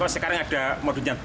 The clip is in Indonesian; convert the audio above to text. sekarang ada modusnya